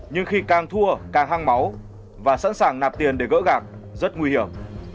nhưng khi càng thua càng hăng máu và sẵn sàng nạp tiền để gỡ gạc rất nguy hiểm